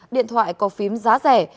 điện thoại có phím giá rẻ